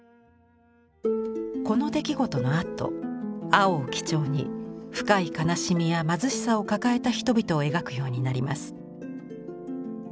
この出来事のあと青を基調に深い悲しみや貧しさを抱えた人々を描くようになります。